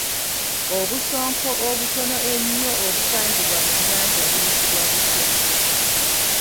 Obusonko obutono ennyo obusangibwa mu nnyanja buyitibwa butya?